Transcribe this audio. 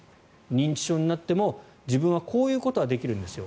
認知症になっても、自分はこういうことはできるんですよ